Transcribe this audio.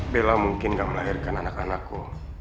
bella mungkin gak melahirkan anak anakku